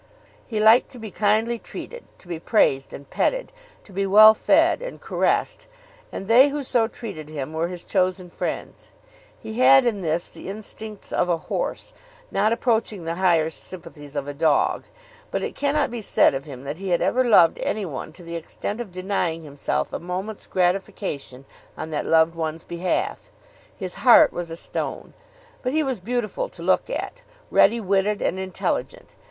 He liked to be kindly treated, to be praised and petted, to be well fed and caressed; and they who so treated him were his chosen friends. He had in this the instincts of a horse, not approaching the higher sympathies of a dog. But it cannot be said of him that he had ever loved any one to the extent of denying himself a moment's gratification on that loved one's behalf. His heart was a stone. But he was beautiful to look at, ready witted, and intelligent.